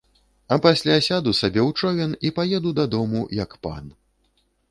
А пасля сяду сабе ў човен і паеду дадому, як пан.